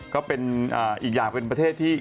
ก็เป็นอีกอย่างเป็นประเทศที่